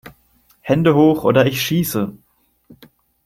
Hände Hoch oder ich Schieße!